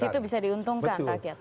di situ bisa diuntungkan rakyat